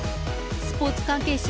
スポーツ関係者？